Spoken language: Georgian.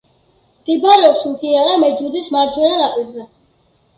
მდებარეობს მდინარე მეჯუდის მარჯვენა ნაპირზე.